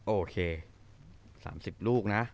โอเค๓๐ลูกนะ